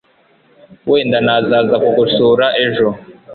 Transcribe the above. wenda nazaza kugusura ejo